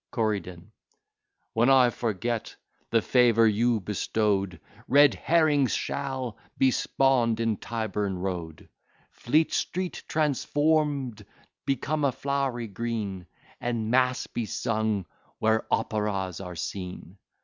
CORYDON When I forget the favour you bestow'd, Red herrings shall be spawn'd in Tyburn Road: Fleet Street, transform'd, become a flowery green, And mass be sung where operas are seen.